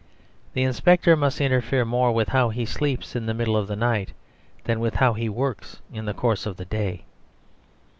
The inspector must interfere more with how he sleeps in the middle of the night than with how he works in the course of the day.